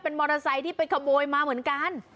มอเตอร์ไซค์ที่ไปขโมยมาเหมือนกัน